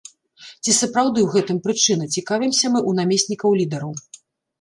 Ці сапраўды ў гэтым прычына, цікавімся мы ў намеснікаў лідараў.